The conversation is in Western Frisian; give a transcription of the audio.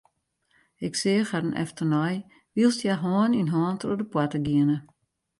Ik seach harren efternei wylst hja hân yn hân troch de poarte giene.